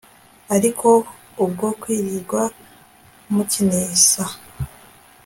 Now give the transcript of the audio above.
ariko ubwo kwirirwa mukinisa